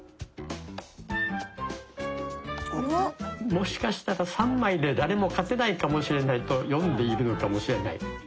もしかしたら３枚で誰も勝てないかもしれないと読んでいるのかもしれない。